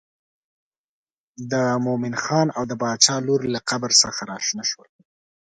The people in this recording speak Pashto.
د مومن خان او د باچا لور له قبر څخه راشنه شول.